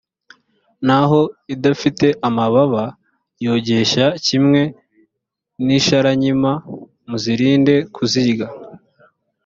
naho idafite amababa yogesha, kimwe n’isharankima, muzirinde kuyirya